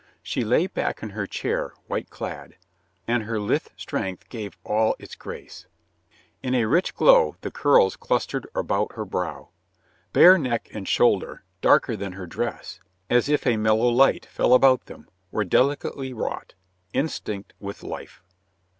She lay back in her chair white clad, and her lithe strength gave all its grace. In a rich glow the curls clustered about her brow. Bare neck and shoulder, darker than her dress, as if a mellow light fell about them, were delicately wrought, instinct with life.